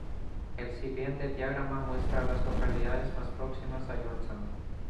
El siguiente diagrama muestra a las localidades más próximas a Yorktown.